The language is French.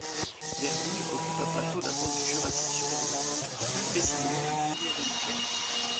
Verdille occupe un plateau datant du Jurassique supérieur, plus précisément du Kimméridgien.